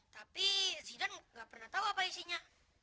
tapi zidan gak pernah tau apa isinya